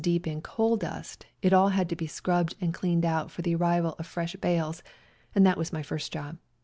deep in coal dust, it had all to be scrubbed and cleaned out for the arrival of fresh bales, and that was my first job.